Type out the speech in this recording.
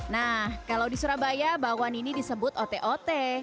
nah kalau di surabaya bakwan ini disebut ote ote